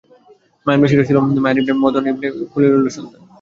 মায়ানবাসীরা ছিল মাদয়ান ইবন মাদয়ানে ইবন ইবরাহীম খলিলুল্লাহর সন্তান।